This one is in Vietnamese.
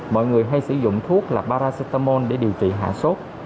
mọi người hay sử dụng thuốc là baramon để điều trị hạ sốt